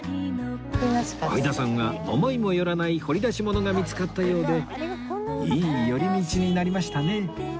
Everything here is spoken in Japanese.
相田さんは思いもよらない掘り出し物が見つかったようでいい寄り道になりましたね